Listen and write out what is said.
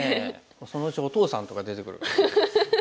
そのうちお父さんとか出てくるかも。